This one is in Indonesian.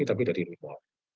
tapi dari ripo